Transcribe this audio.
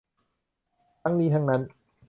ทั้งนี้ทั้งนั้น